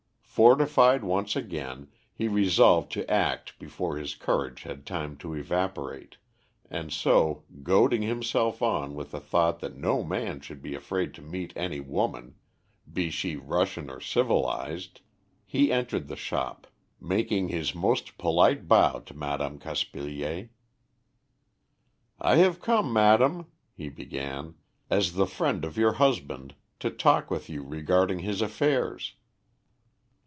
Fortified once again, he resolved to act before his courage had time to evaporate, and so, goading himself on with the thought that no man should be afraid to meet any woman, be she Russian or civilised, he entered the shop, making his most polite bow to Madame Caspilier. "I have come, madame," he began, "as the friend of your husband, to talk with you regarding his affairs."